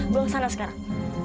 gue kesana sekarang